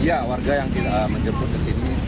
iya warga yang tidak menjemput ke sini